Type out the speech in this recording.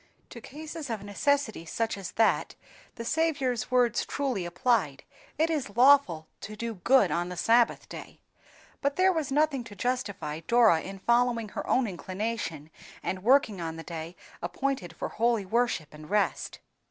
To cases of necessity such as that, the Saviour's words truly applied—"It is lawful to do good on the Sabbath day;" but there was nothing to justify Dora in following her own inclination, and working on the day appointed for holy worship and rest.